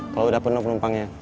kalau sudah penuh penumpangnya